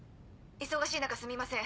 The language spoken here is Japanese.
忙しい中すみません。